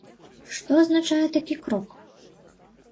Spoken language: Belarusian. Што азначае такі крок?